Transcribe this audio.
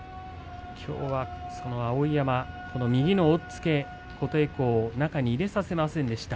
きょうは、その碧山右の押っつけ、琴恵光を中に入れさせませんでした。